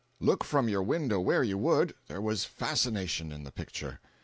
Look from your window where you would, there was fascination in the picture.